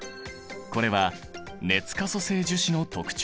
これは熱可塑性樹脂の特徴。